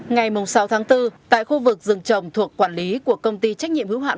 ngày sáu tháng bốn tại khu vực rừng trồng thuộc quản lý của công ty trách nhiệm hữu hạn